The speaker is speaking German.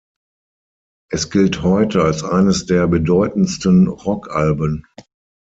Es gilt heute als eines der bedeutendsten Rockalben.